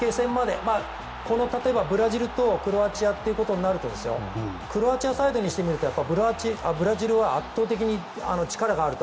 例えばブラジルとクロアチアとなるとクロアチアサイドにしてみるとブラジルは圧倒的に力があると。